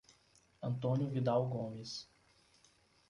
Antônio Vidal Gomes